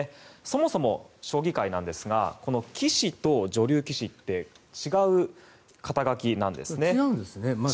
そもそも将棋界では棋士と女流棋士って違う肩書なんですね。